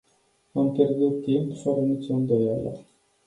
Am pierdut timp, fără nicio îndoială.